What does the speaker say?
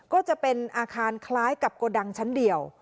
ก็จะเป็นอาคารคล้ายกับโกดังชั้นเดียว